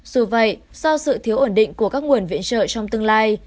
dù vậy do sự thiếu ổn định của các nguồn viện trợ trong tương lai